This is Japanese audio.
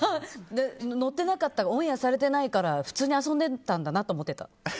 オンエアされてないから普通に遊んでたんだなと思ってた。